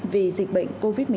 vì dịch bệnh covid một mươi chín